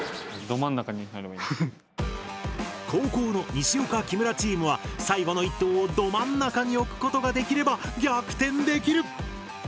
後攻の西岡・木村チームは最後の１投をど真ん中に置くことができれば逆転できる。